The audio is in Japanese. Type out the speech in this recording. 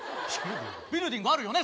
ビルディングあるよね？